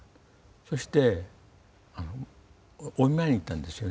そしてお見舞いに行ったんですよね。